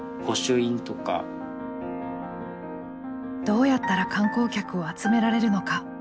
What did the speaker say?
どうやったら観光客を集められるのか。